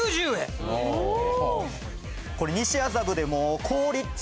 これ西麻布でも好立地。